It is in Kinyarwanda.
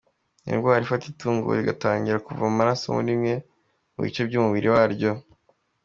Ni indwara ifata itungo rigatangira kuva amaraso muri bimwe mu bice by’umubiri waryo.